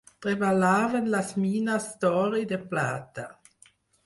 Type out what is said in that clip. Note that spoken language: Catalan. Treballaven les mines d'or i de plata.